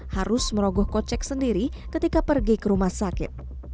harus merogoh kocek sendiri ketika pergi ke rumah sakit